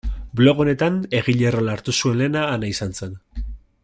Blog honetan egile rola hartu zuen lehena Ana izan zen.